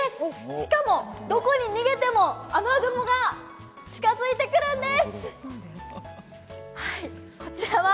しかも、どこに逃げても雨雲が近づいてくるんです！